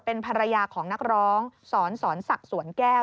เป็นภรรยาของนักร้องศรศรสักสวนแก้ว